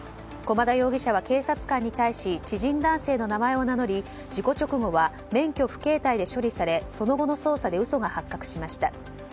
駒田容疑者は警察官に対し知人男性の名前を名乗り事故直後は免許不携帯で処理されその後の捜査で嘘が発覚しました。